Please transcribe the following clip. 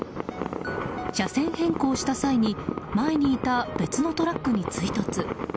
車線変更した際に前にいた別のトラックに追突。